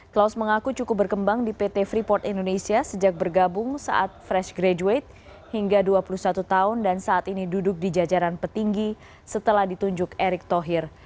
klaus mengaku cukup berkembang di pt freeport indonesia sejak bergabung saat fresh graduate hingga dua puluh satu tahun dan saat ini duduk di jajaran petinggi setelah ditunjuk erick thohir